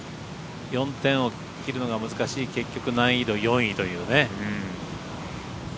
４点を切るのが難しい結局、難易度４位というね。